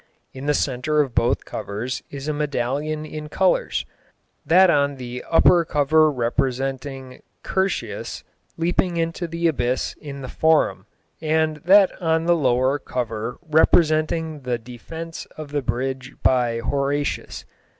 In the centre of both covers is a medallion in colours, that on the upper cover representing Curtius leaping into the abyss in the Forum, and that on the lower cover representing the defence of the bridge by Horatius.